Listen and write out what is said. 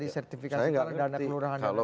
sertifikasi perundangan dan kelurahan dari desa